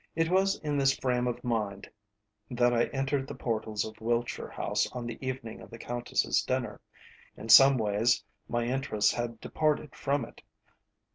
It was in this frame of mind that I entered the portals of Wiltshire House on the evening of the Countess's dinner. In some ways my interest had departed from it.